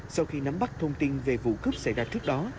sau khi nắm bắt thông tin về vụ cướp xảy ra trước đó